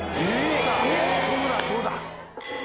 そうだそうだ！